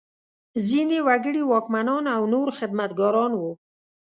ځینې وګړي واکمنان او نور خدمتګاران وو.